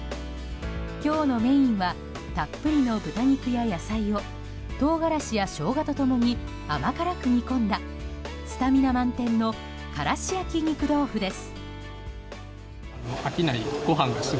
今日のメインはたっぷりの豚肉や野菜をトウガラシやショウガと共に甘辛く煮込んだスタミナ満点のからし焼き肉豆腐です。